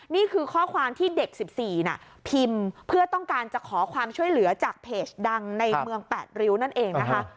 นี่คือข้อความที่เด็ก๑๔น่ะพิมพ์เพื่อต้องการจะขอความช่วยเหลือจากเพจดังในเมือง๘ริ้วนั่นเองนะคะ